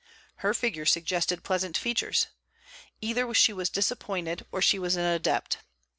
Her figure suggested pleasant features. Either she was disappointed or she was an adept.